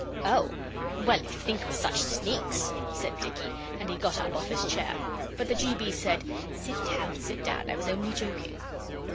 'Oh, well, if you think we're such sneaks,' said Dicky, and he got up off his chair. But the G. B. said, 'Sit down, sit down; I was only joking.